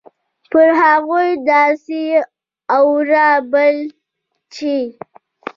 پر هغو داسي اور بل ده چې